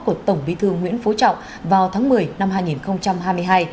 của tổng bí thư nguyễn phú trọng vào tháng một mươi năm hai nghìn hai mươi hai